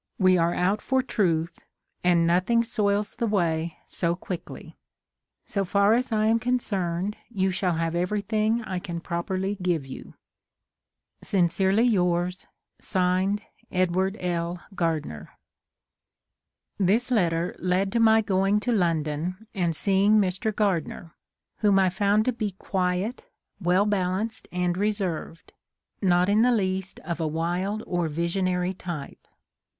We are out for Truth, and nothing soils the way so quickly. So far as I am concerned you shall have everything I can properly give you. Sincerely yours, (Sgd.) Edw. L. Gardner. This letter led to my going to London and seeing Mr. Gardner, whom I found to be quiet, well balanced, and reserved — ^not in the least of a wild or visionary type.